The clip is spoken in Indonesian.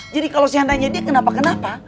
jadi kalau seandainya dia kenapa kenapa